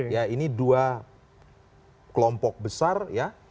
ya ini dua kelompok besar ya